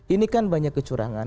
ini kan banyak kecurangan